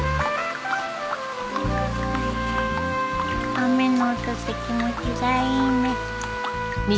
・雨の音って気持ちがいいね。